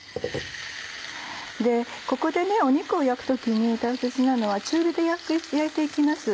ここで肉を焼く時に大切なのは中火で焼いていきます。